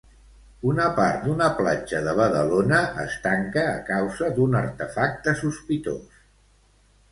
Una part d'una platja de Badalona es tanca a causa d'un artefacte sospitós.